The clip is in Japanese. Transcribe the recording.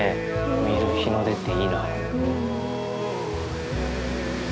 見る日の出っていいな。